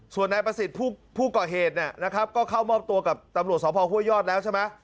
ส่วนนายประศิษย์ผู้ก่อเหตุก็เข้ามอบตัวกับตำรวจสอบภาคผู้ยอดแล้วใช่มะ